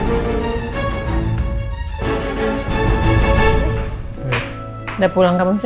udah pulang kamu sih